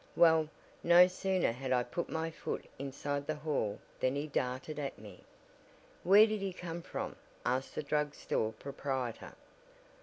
Well, no sooner had I put my foot inside the hall than he darted at me " "Where did he come from?" asked the drug store proprietor.